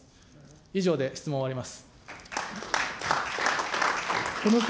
以上で質問を終わります。